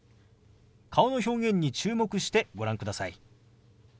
顔の表現に注目してご覧ください。